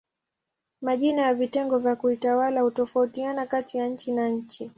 Majina ya vitengo vya kiutawala hutofautiana kati ya nchi na nchi.